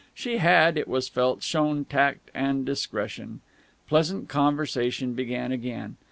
She had, it was felt, shown tact and discretion. Pleasant conversation began again.